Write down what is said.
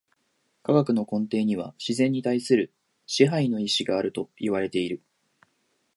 科学の根底には自然に対する支配の意志があるといわれている。